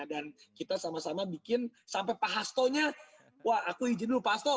dan kita sama sama bikin sampai pak hasto nya wah aku izin dulu pak hasto